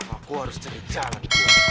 aku harus cari jalan